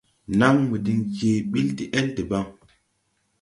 Naŋmo diŋ je ɓil de-ɛl debaŋ.